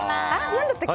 何だっけ。